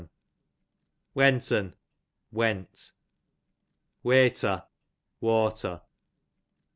Went'n, went. Wetur, water.